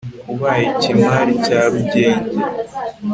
ubaye kimari cya rugenge